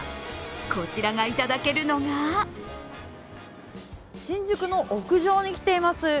こちらがいただけるのが新宿の屋上に来ています。